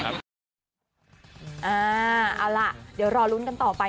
เอาล่ะเดี๋ยวรอลุ้นกันต่อไป